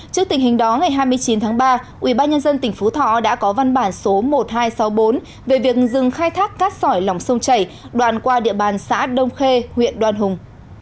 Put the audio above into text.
trước tình hình đó ngày hai mươi chín tháng ba ủy ban nhân dân tỉnh phú thọ đã có văn bản số một nghìn hai trăm sáu mươi bốn về việc dừng khai thác cát sỏi lỏng sông chảy đoàn qua địa bàn xã đông khê huyện đoan hùng